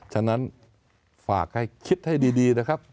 ฉะนั้นฝากให้คิดให้ดีนะครับ